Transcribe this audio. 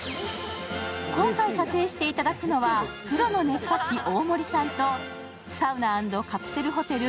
今回、査定していただくのはプロの熱波師・大森さんとサウナ＆カプセルホテル